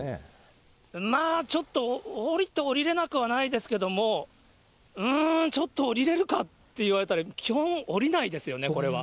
まあちょっと、下りて下りれなくはないですけれども、うーん、ちょっと下りれるかって言われたら、基本、下りないですよね、これは。